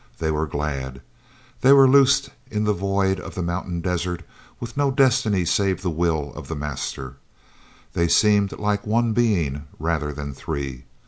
They were glad. They were loosed in the void of the mountain desert with no destiny save the will of the master. They seemed like one being rather than three.